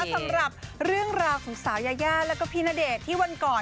สำหรับเรื่องราวของสาวยายาแล้วก็พี่ณเดชน์ที่วันก่อน